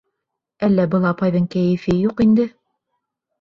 Әллә был апайҙың кәйефе юҡ инде?